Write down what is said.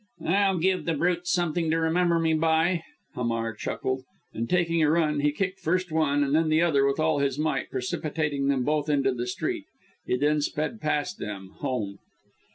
"I'll give the brutes something to remember me by," Hamar chuckled, and, taking a run, he kicked first one, and then the other with all his might, precipitating them both into the street. He then sped past them home.